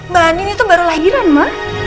mbak andin itu baru lahiran ma